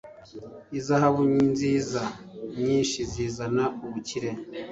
izahabu nziza nyinshi zi zana ubukire